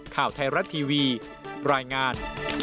ข่าวไทยรัฐทีวีรายงาน